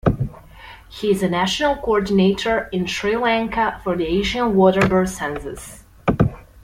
He is a national coordinator in Sri Lanka for the Asian Waterbird Census.